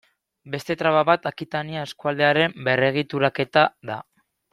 Beste traba bat Akitania eskualdearen berregituraketa da.